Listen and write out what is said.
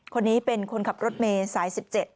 คนนี้เป็นคนขับรถเมย์สาย๑๗